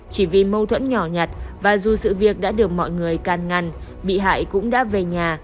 chỉ vì mâu thuẫn nhỏ nhặt và dù sự việc đã được mọi người can ngăn bị hại cũng đã về nhà